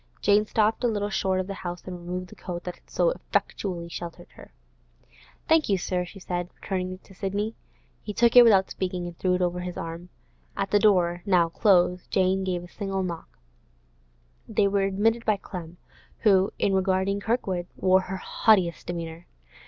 Jane stopped a little short of the house and removed the coat that had so effectually sheltered her. 'Thank you, sir,' she said, returning it to Sidney. He took it without speaking, and threw it over his arm. At the door, now closed, Jane gave a single knock; they were admitted by Clem, who, in regarding Kirkwood, wore her haughtiest demeanour.